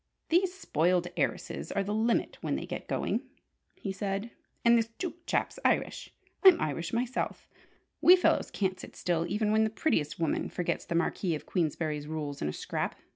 "These spoiled heiresses are the limit when they get going!" he said. "And this Duke chap's Irish. I'm Irish myself. We fellows can't sit still when even the prettiest woman forgets the Marquis of Queensberry's rules in a scrap!